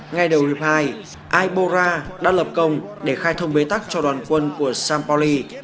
ngay đầu hiệp hai aibora đã lập công để khai thông bế tắc cho đoàn quân của sampoli